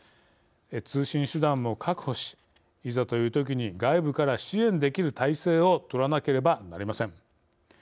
通信手段も確保しいざというときに外部から支援できる態勢をとらなければなりません。